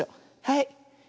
はい。